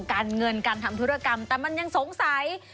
การเงินการทำธุรกรรมแต่มันยังสงสัย